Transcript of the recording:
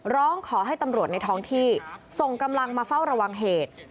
ร้องขอให้ตำรวจในท้องที่ส่งกำลังมาเฝ้าระวังเหตุ